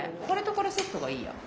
これとこれセットがいいや。